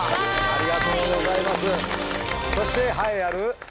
ありがとうございます！